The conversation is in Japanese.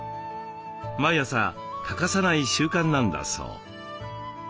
毎朝欠かさない習慣なんだそう。